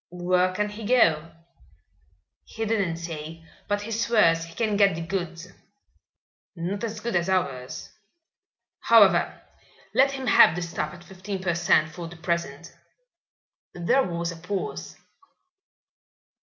"Where can he go?" "He didn't say, but he swears he can get the goods." "Not as good as ours. However, let him have the stuff at fifteen per cent. for the present." There was a pause.